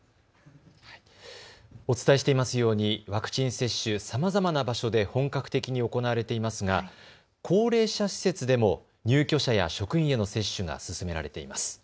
お伝えしていますようにワクチン接種、さまざまな場所で本格的に行われていますが、高齢者施設でも入居者や職員への接種が進められています。